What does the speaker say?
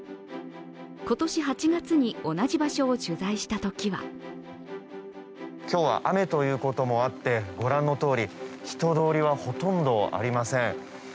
今年８月に同じ場所を取材したときは今日は雨ということもあって、御覧のとおり人通りはほとんどありません。